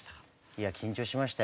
いや緊張しましたよ。